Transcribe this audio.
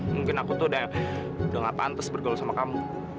mungkin aku itu sudah tidak pantas bergaul dengan kamu